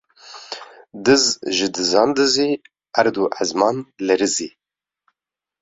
Diz ji dizan dizî, erd û ezman lerizî